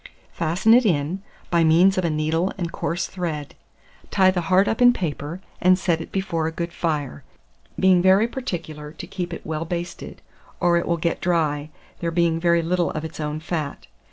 Fasten it in, by means of a needle and coarse thread; tie the heart up in paper, and set it before a good fire, being very particular to keep it well basted, or it will eat dry, there being very little of its own fat.